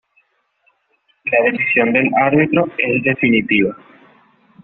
La decisión del árbitro es definitiva.